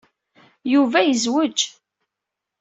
Yuba yezweǧ.